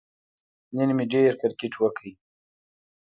نن مې ډېر کیرکټ وکه